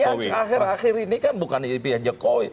nah ini akhir akhir ini kan bukan dari pihak jokowi